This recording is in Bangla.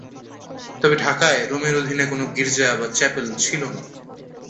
তবে ঢাকায় রোমের অধীনে কোন গির্জা বা চ্যাপেল ছিল না।